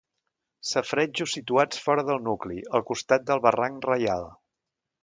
Safaretjos situats fora del nucli, al costat del barranc Reial.